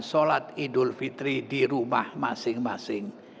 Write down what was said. sholat idul fitri di rumah masing masing